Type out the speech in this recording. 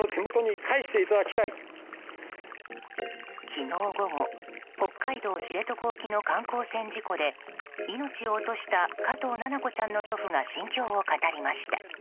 昨日午後北海道知床沖の観光船事故で命を落とした加藤七菜子ちゃんの祖父が心境を語りました。